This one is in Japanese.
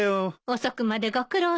遅くまでご苦労さま。